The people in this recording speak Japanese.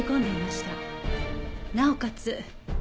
なおかつ